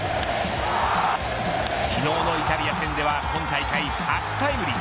昨日のイタリア戦では今大会初タイムリー。